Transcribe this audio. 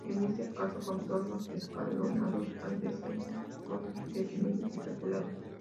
En ese caso, "contornos escalonados al descenso" son definidos y calculados.